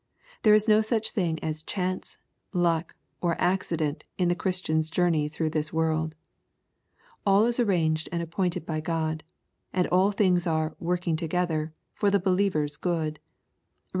There is no such thing as *^ chance," " luck," or " accident" in the Christian's jour ney through this world. All is arranged and appointed by God. And all things are " working together" for the believer's good. (Rom.